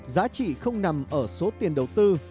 giá trị không nằm ở số tiền đầu tư